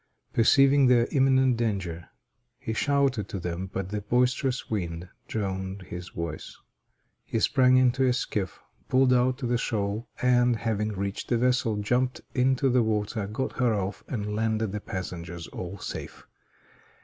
Perceiving their imminent danger, he shouted to them, but the boisterous wind drowned his voice. He sprang into a skiff, pulled out to the shoal, and, having reached the vessel, jumped into the water, got her off, and landed the passengers all safe.